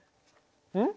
うん？